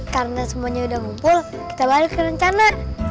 karena semuanya udah kumpul kita balik ke rencana